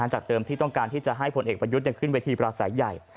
จากเดิมที่ต้องการที่จะให้ผลเอกประยุทธ์ขึ้นเวทีปราศัยใหญ่